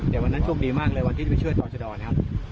แต่วันนั้นโชคดีมากเลยวันที่ได้ไปเชื่อตรอนนะครับ